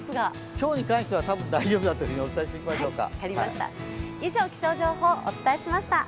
今日に関しては多分大丈夫だとお伝えしておきましょうか。